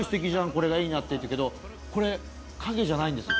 これがいいなって言ったけどこれ影じゃないんですよ